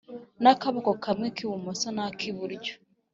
n’akaboko kamwe k’ibumoso na kiburyo